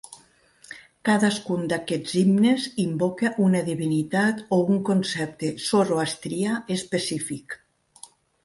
Cadascun d'aquests himnes invoca una divinitat o concepte zoroastrià específic.